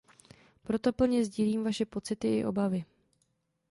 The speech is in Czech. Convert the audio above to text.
Proto plně sdílím vaše pocity i obavy.